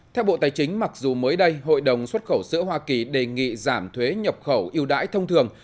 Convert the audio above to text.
theo bộ tài chính mặc dù mới đây hội đồng xuất khẩu sữa hoa kỳ đề nghị giảm thuế nhập khẩu yêu đãi thông thường